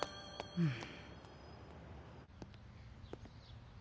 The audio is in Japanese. うん！